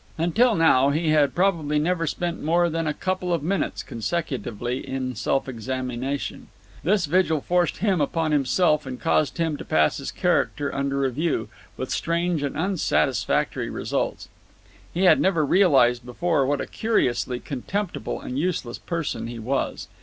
Until now he had probably never spent more than a couple of minutes consecutively in self examination. This vigil forced him upon himself and caused him to pass his character under review, with strange and unsatisfactory results. He had never realised before what a curiously contemptible and useless person he was.